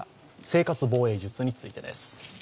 生活防衛術についてです。